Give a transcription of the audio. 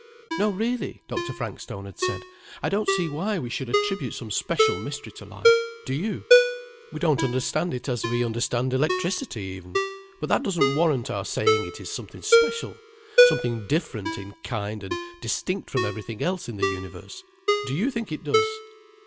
"No, really," Dr. Frankstone had said, "I don't see why we should attribute some special mystery to life—do you? We don't understand it as we understand electricity, even, but that doesn't warrant our saying it is something special, something different in kind and distinct from everything else in the universe—do you think it does?